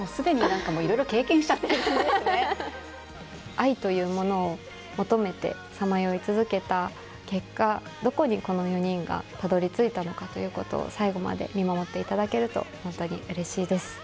愛というものを求めてさまよい続けた結果どこにこの４人がたどり着いたのかということを最後まで見守っていただけると本当にうれしいです。